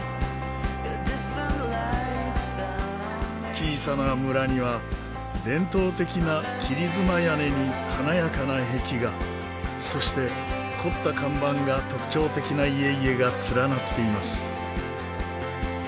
小さな村には伝統的な切り妻屋根に華やかな壁画そして凝った看板が特徴的な家々が連なっています。